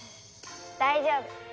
大丈夫！